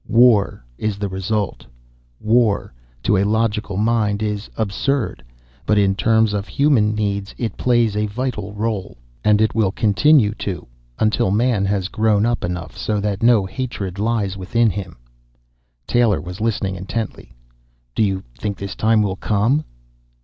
War is the result. War, to a logical mind, is absurd. But in terms of human needs, it plays a vital role. And it will continue to until Man has grown up enough so that no hatred lies within him." Taylor was listening intently. "Do you think this time will come?"